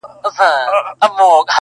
نه نرۍ ملا لکه ویښته نه ټیټې مړې سترګې